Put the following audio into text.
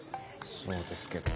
そうですけど。